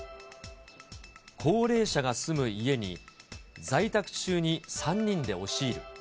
高齢者が住む家に、在宅中に３人で押し入る。